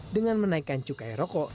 dengan menaikkan cukai rokok